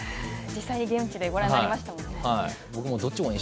実際に現地でご覧になりましたもんね。